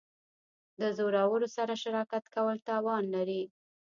د زورورو سره شراکت کول تاوان لري.